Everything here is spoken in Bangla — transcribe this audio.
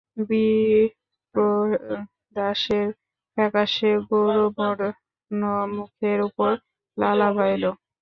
বিপ্রদাসের ফ্যাকাশে গৌরবর্ণ মুখের উপর লাল আভা এল।